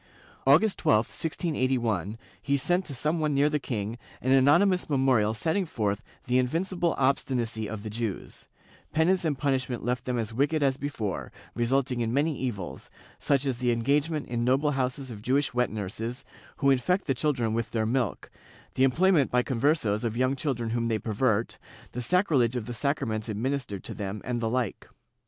August 12, 1681, he sent, to some one near the king, an anony mous memorial setting forth the invincible obstinacy of the Jews; penance and punishment left them as wicked as before, resulting in many evils, such as the engagement in noble houses of Jewish wet nurses, who infect the children with their milk, the employment by Conversos of young children whom they pervert, the sacrilege of the sacraments administered to them, and the like.